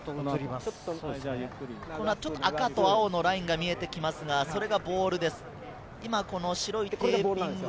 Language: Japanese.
赤と青のラインが見えてきますが、それがボールです。